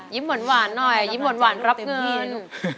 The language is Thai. ยิ้มหวั่นหวานหน่อยยิ้มหวั่นหวานรับเงิน